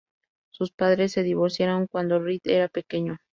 Sus padres se divorciaron cuando Reed era pequeño.